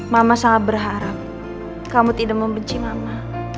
mama sangat berharap kamu tidak membenci mama